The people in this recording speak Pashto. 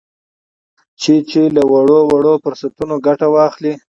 چې چې له وړ وړ فرصتونو څخه ګته واخلي